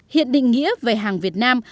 hiện định nghĩa về hàng việt nam